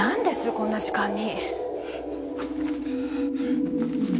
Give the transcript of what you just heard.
こんな時間に。